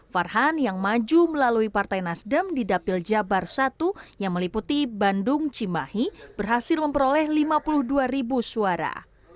farhan yang maju melalui partai nasdem di dapil jabar satu yang meliputi bandung cimahi berhasil memperoleh lima puluh dua ribu suara